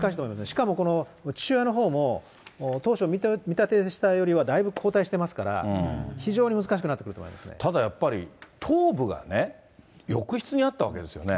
しかも父親のほうも、当初見立てしたよりはだいぶ後退してますから、非常に難しくなっただやっぱり、頭部がね、浴室にあったわけですよね。